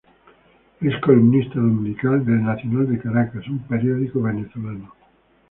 Es columnista dominical de El Nacional de Caracas, un periódico venezolano.